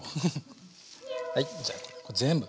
はいじゃあ全部。